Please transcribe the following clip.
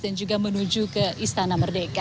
dan juga menuju ke istana merdeka